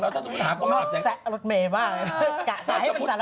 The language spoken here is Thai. ชอบแซะรถเมฆบ้าง